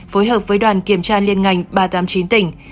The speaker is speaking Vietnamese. phối hợp với đoàn kiểm tra liên ngành ba trăm tám mươi chín tỉnh